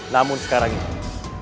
namun sekarang ini